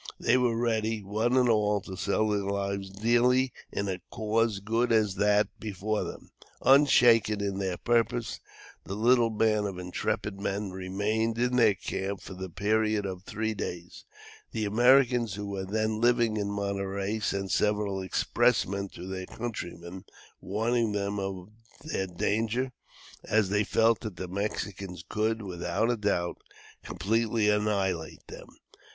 They were ready, one and all, to sell their lives dearly in a cause good as that before them. Unshaken in their purpose, the little band of intrepid men remained in their camp for the period of three days. The Americans who were then living at Monterey sent several expressmen to their countrymen, warning them of their danger, as they felt that the Mexicans could, without a doubt, completely annihilate them.